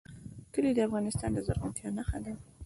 کلي د افغانستان د زرغونتیا نښه ده.